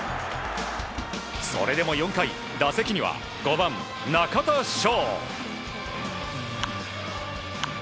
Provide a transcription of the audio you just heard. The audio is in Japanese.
それでも４回、打席には５番、中田翔。